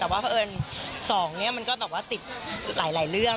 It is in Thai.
แต่ว่าเพราะเอิญ๒เนี่ยมันก็แบบว่าติดหลายเรื่อง